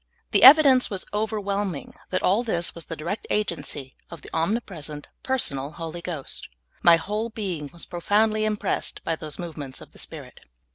The evidence was overwhelming that all this was the direct agency of the omnipresent, personal Holy Ghost. M3" whole being was profoundly impressed by those movements of the Spirit.